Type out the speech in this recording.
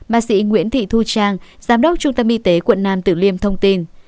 bác sĩ nguyễn thị thu trang giám đốc trung tâm y tế quận nam tử liêm thông tin